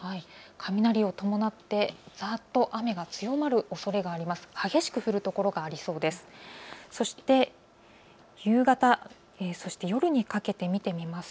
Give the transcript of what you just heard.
雷を伴ってざっと雨が強まるおそれがあります。